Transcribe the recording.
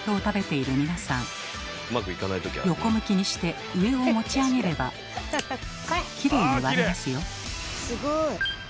横向きにして上を持ち上げればきれいに割れますよ。